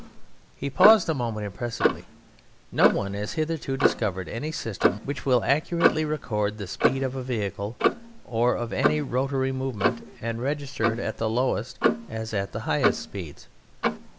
He paused a moment impressively. "No one has hitherto discovered any system which will accurately record the speed of a vehicle or of any rotary movement and register it at the lowest as at the highest speeds."